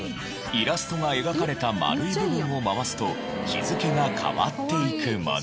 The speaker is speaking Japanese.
イラストが描かれた丸い部分を回すと日付が変わっていくもの。